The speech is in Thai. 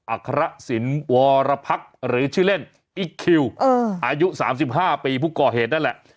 อัครสินวรพักษ์หรือชื่อเล่นอีกคิวเอออายุสามสิบห้าปีภุกกรเหตุนั่นแหละ